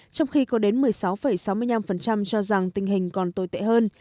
trong khi có đến một mươi sáu sáu mươi năm cho rằng tình hình còn tồi tệ hơn